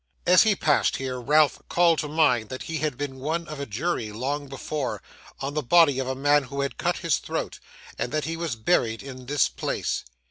As he passed here, Ralph called to mind that he had been one of a jury, long before, on the body of a man who had cut his throat; and that he was buried in this place.